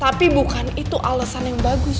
tapi bukan itu alasan yang bagus